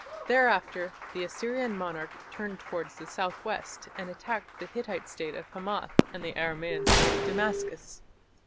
Thereafter the Assyrian monarch turned towards the south west and attacked the Hittite State of Hamath and the Aramaean State of Damascus.